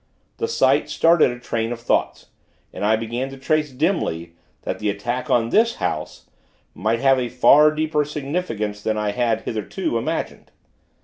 The sight started a train of thoughts, and I began to trace, dimly, that the attack on this house, might have a far deeper significance than I had, hitherto, imagined.